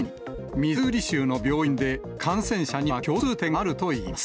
ミズーリ州の病院で、感染者には共通点があるといいます。